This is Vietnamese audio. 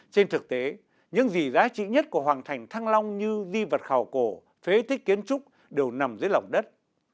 trên thực tế những gì giá trị nhất của hoàng thành thăng long như di vật khảo cổ phế thích kiến trúc đều nằm dưới lòng đất